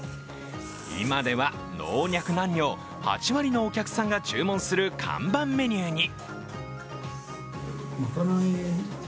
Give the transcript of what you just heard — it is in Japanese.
今では老若男女、８割のお客さんが注文する看板メニューに。